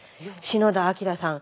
篠田昭さん